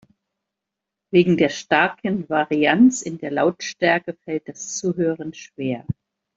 Wegen der starken Varianz in der Lautstärke fällt das Zuhören schwer.